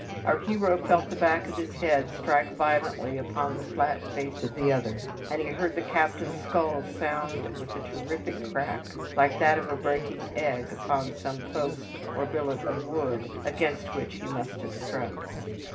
Our hero felt the back of his head strike violently upon the flat face of the other, and he heard the captain's skull sound with a terrific crack like that of a breaking egg upon some post or billet of wood, against which he must have struck.